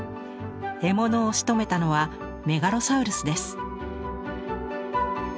獲物をしとめたのはメガロサウルスです。